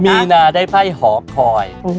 มีนาได้ไพ่หอคอย